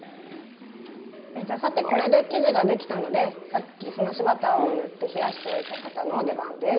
さてこれで生地ができたのでさっき澄ましバターを塗って冷やしておいた型の出番です。